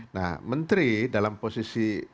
nah menteri dalam posisi